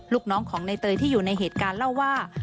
ลูกน้องของในเตยที่อยู่ในเหตุการณ์เล่าว่า